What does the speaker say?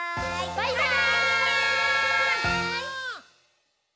「バイバーイ！」